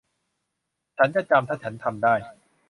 ฉันจะจำ ถ้าฉันทำได้